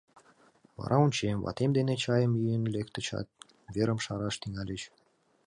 Вара ончем: ватем дене чайым йӱын лектычат, верым шараш тӱҥальыч.